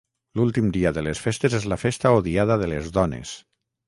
L’últim dia de les Festes és la festa o diada de les dones.